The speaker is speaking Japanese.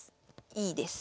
いいです。